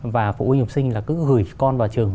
và phụ huynh học sinh là cứ gửi con vào trường